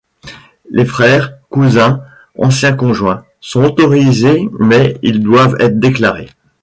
Les frères, cousins, anciens conjoints, sont autorisés mais ils doivent être déclarés.